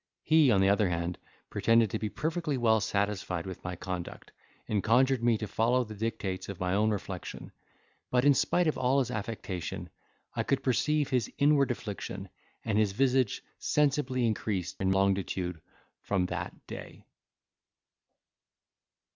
He, on the other hand, pretended to be perfectly well satisfied with my conduct, and conjured me to follow the dictates of my own reflection; but, in spite of all his affectation, I could perceive his inward affliction, and his visage sensibly increased in longitude from that day.